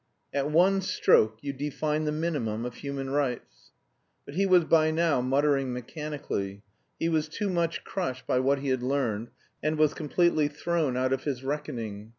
"At one stroke you define the minimum of human rights...." But he was by now muttering mechanically. He was too much crushed by what he had learned, and was completely thrown out of his reckoning.